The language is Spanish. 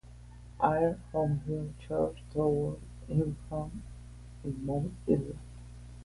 Ayr, Home Hill, Charters Towers, Ingham y Mount Isa.